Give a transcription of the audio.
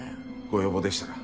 ご要望でしたら。